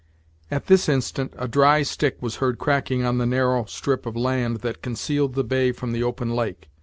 At this instant a dry stick was heard cracking on the narrow strip of land that concealed the bay from the open lake.